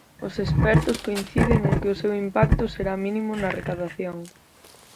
Os expertos coinciden en que o seu impacto será mínimo na recadación.